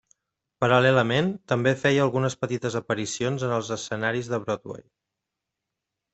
Paral·lelament, també feia algunes petites aparicions en els escenaris de Broadway.